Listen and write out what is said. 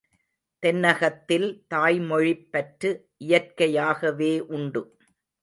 தென்னகத்தில் தாய்மொழிப்பற்று இயற்கையாகவே உண்டு.